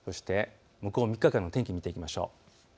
向こう３日間の天気、見ていきましょう。